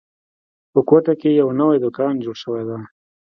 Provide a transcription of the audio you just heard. په کوټه کې یو نوی دوکان جوړ شوی ده